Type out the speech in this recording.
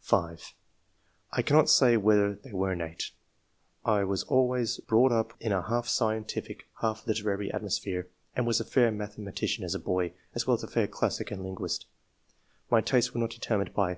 (c, d) (5) "I cannot say whether they were innate. I was always brought up in a half scientific, half literary atmosphere, and was a fair mathema tician as a boy, as well as a fair classic and 186 ENGLISH MEN OF SCIENCE. [chap.